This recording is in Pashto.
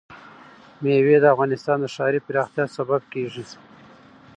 مېوې د افغانستان د ښاري پراختیا سبب کېږي.